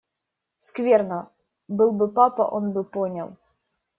Скверно! Был бы папа, он бы понял.